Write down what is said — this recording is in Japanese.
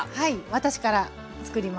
私からつくります。